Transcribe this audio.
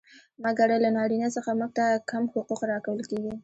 مګر له نارينه څخه موږ ته کم حقوق را کول کيږي.